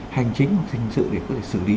hành chính hình sự để có thể xử lý